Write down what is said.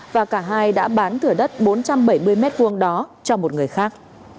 và cả hai đã bán thửa đất bốn trăm bảy mươi m hai đó cho một người khác